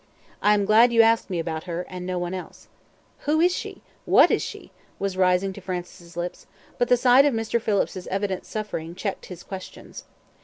I am glad you asked me about her, and no one else." "Who is she? what is she?" was rising to Francis' lips, but the sight of Mr. Phillips's evident suffering checked his questions.